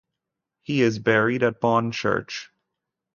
He is buried at Bonchurch.